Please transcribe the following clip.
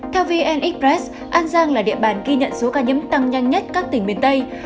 theo vn express an giang là địa bàn ghi nhận số ca nhiễm tăng nhanh nhất các tỉnh miền tây